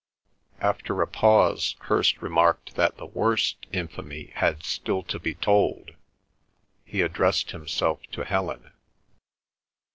After a pause Hirst remarked that the worst infamy had still to be told. He addressed himself to Helen.